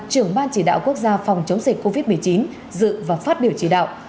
đại quốc gia phòng chống dịch covid một mươi chín dự và phát biểu chỉ đạo